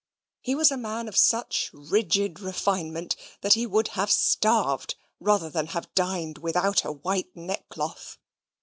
He was a man of such rigid refinement, that he would have starved rather than have dined without a white neckcloth.